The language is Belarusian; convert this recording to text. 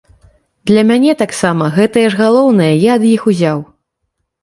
Для мяне таксама гэтае ж галоўнае, я ад іх узяў.